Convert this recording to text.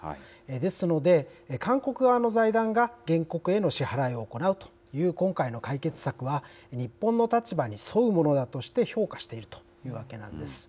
ですので、韓国側の財団が原告への支払いを行うという今回の解決策は、日本の立場に沿うものだとして評価しているというわけなんです。